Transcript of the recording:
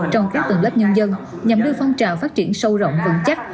trong các tầng lớp nhân dân nhằm đưa phong trào phát triển sâu rộng vững chắc